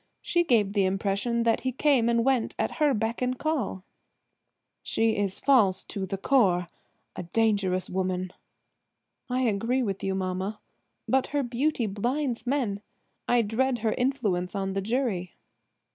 She gave the impression that he came and went at her beck and call." "She is false to the core–a dangerous woman." "I agree with you, mamma. But her beauty blinds men. I dread her influence on the jury."